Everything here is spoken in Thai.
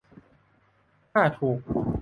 ถ้าถูก